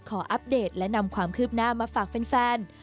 อัปเดตและนำความคืบหน้ามาฝากแฟน